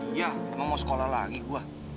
iya emang mau sekolah lagi gue